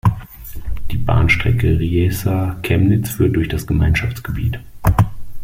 Die Bahnstrecke Riesa–Chemnitz führt durch das Gemeinschaftsgebiet.